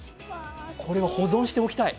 これは保存しておきたい。